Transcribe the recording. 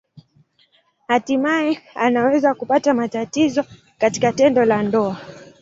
Hatimaye anaweza kupata matatizo katika tendo la ndoa.